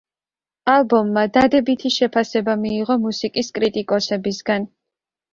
ალბომმა დადებითი შეფასება მიიღო მუსიკის კრიტიკოსებისგან.